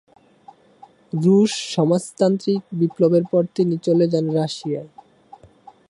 রুশ সমাজতান্ত্রিক বিপ্লবের পর তিনি চলে যান রাশিয়ায়।